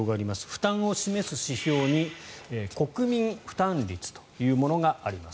負担を示す指標に国民負担率というものがあります。